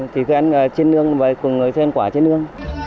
thì cứ ăn trên nương và cùng người sen quả trên nương